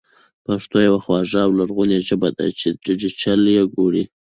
پښتو يوه خواږه او لرغونې ژبه ده چې ډېجېټل يې کړو